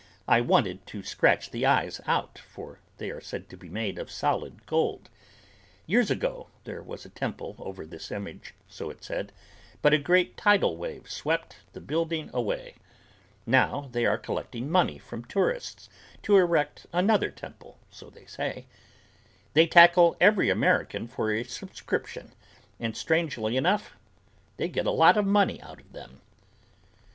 I wanted to scratch the eyes out, for they are said to be made of solid gold. Years ago there was a temple over this image, so it is said, but a great tidal wave swept the building away. Now they are collecting money from tourists to erect another temple, so they say. They tackle every American for a subscription and strangely enough they get a lot of money out of them.